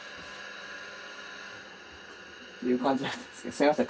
すいません。